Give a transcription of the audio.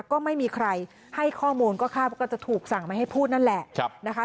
ก็ไม่มีใครให้ข้อมูลก็คาดว่าก็จะถูกสั่งไม่ให้พูดนั่นแหละนะคะ